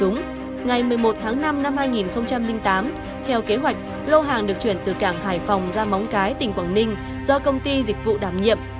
ngày một mươi một tháng năm năm hai nghìn tám theo kế hoạch lô hàng được chuyển từ cảng hải phòng ra móng cái tỉnh quảng ninh do công ty dịch vụ đảm nhiệm